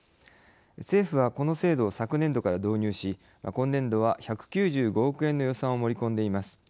政府は、この制度を昨年度から導入し今年度は１９５億円の予算を盛り込んでいます。